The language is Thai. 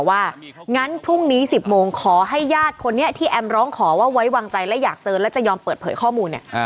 ว่างั้นพรุ่งนี้๑๐โมงขอให้ญาติคนนี้ที่แอมร้องขอว่าไว้วางใจและอยากเจอและจะยอมเปิดเผยข้อมูลเนี่ย